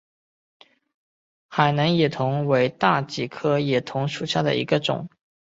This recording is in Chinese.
海南野桐为大戟科野桐属下的一个种。